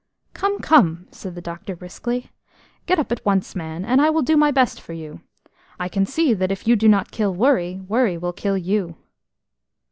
"Come, come!" said the doctor briskly. "Get up at once, man, and I will do my best for you. I can see that if you do not kill worry, worry will kill you."